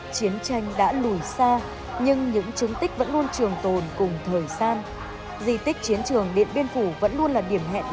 chiến tranh đã lùi xa nhưng những chứng tích vẫn luôn trường tồn cùng thời san di tích chiến trường điện biên phủ vẫn luôn là điểm hẹn lịch sử để tìm hiểu về lịch sử